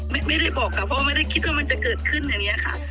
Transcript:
ไม่ได้บอกค่ะเพราะไม่ได้คิดว่ามันจะเกิดขึ้นอย่างนี้ค่ะ